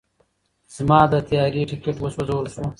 زما د طیارې ټیکټ وسوځل شو.